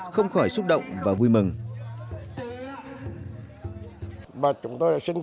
không khỏi xúc động và vui mừng